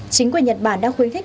chính quyền nhật bản đã khuyến khích